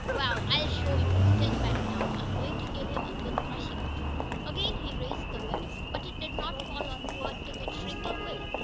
Wa'al, I'll show you! Stand back now, I'm goin' to give him a good threshin'!" Again he raised the whip, but it did not fall on poor, timid, shrinking Will.